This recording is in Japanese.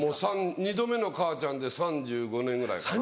２度目の母ちゃんで３５年ぐらいかな。